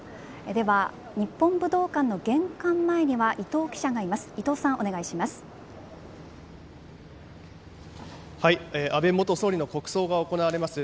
では日本武道館の玄関前には伊藤記者がいます。